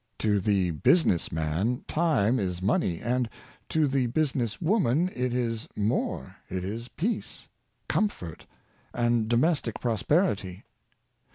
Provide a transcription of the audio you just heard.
To the business man time is money, and to the business woman it is more — it is peace, comfort, and domestic prosperity.